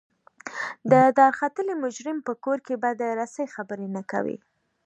د دارختلي مجرم په کور کې به د رسۍ خبرې نه کوئ.